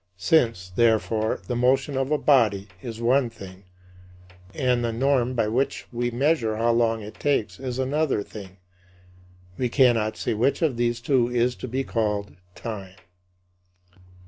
Since, therefore, the motion of a body is one thing, and the norm by which we measure how long it takes is another thing, we cannot see which of these two is to be called time.